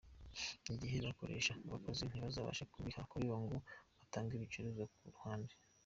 Igihe bakoresha abakozi ntibazabashe kubiba ngo batange ibicuruzwa ku ruhande.